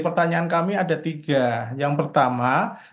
pertanyaan kami ada tiga yang pertama